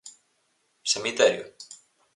Cemiterio?